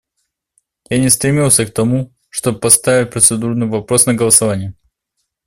Я не стремился к тому, чтобы поставить процедурный вопрос на голосование.